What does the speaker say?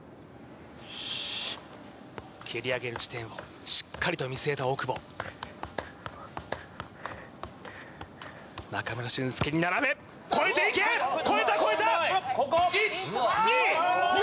蹴り上げる地点をしっかりと見据えた大久保中村俊輔に並べ越えていけ越えた越えた！